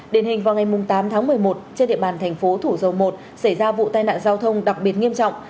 đền hình vào ngày tám tháng một mươi một trên địa bàn thành phố thủ dầu một xảy ra vụ tai nạn giao thông đặc biệt nghiêm trọng